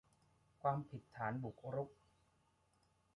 ความผิดฐานบุกรุก